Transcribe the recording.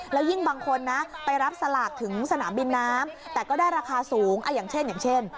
แล้วยิ่งบางคนนะไปรับสลากถึงสนามบินน้ำแต่ก็ได้ราคาสูงอย่างเช่นอย่างเช่น